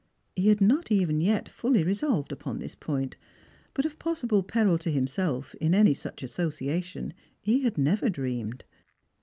He was not even yet fully resolved upon this point ; but of possible peril to himself in any such association he had never dreamed.